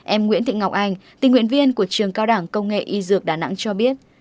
em nguyễn thị ngọc anh tình nguyện viên của trường cao đảng công nghệ y dược đà nẵng cho biết